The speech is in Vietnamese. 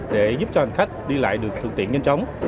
để giúp cho hành khách đi lại được thuận tiện nhanh chóng